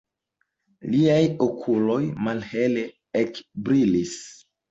Liaj okuloj malhele ekbrilis.